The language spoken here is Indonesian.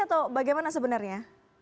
atau bagaimana sebenarnya